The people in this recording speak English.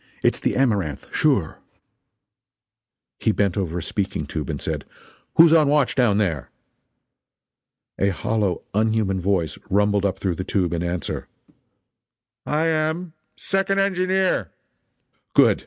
It's the Amaranth, sure!" He bent over a speaking tube and said: "Who's on watch down there?" A hollow, unhuman voice rumbled up through the tube in answer: "I am. Second engineer." "Good!